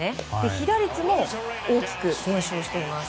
被打率も大きく減少しています。